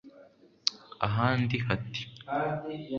Ahandi hati